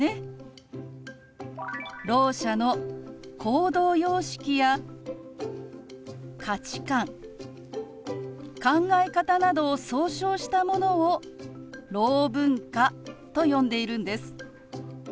ろう者の行動様式や価値観考え方などを総称したものをろう文化と呼んでいるんです。